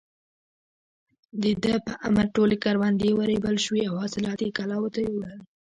د ده په امر ټولې کروندې ورېبل شوې او حاصلات يې کلاوو ته يووړل.